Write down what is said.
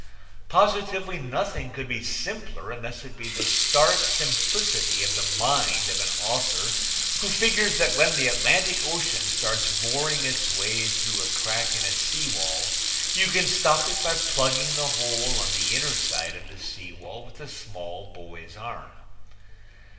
Positively nothing could be simpler unless it be the stark simplicity of the mind of an author who figures that when the Atlantic Ocean starts boring its way through a crack in a sea wall you can stop it by plugging the hole on the inner side of the sea wall with a small boy's arm.